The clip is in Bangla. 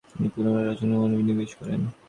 তিনি পুনরায় রচনায় মনোনিবেশ করেন।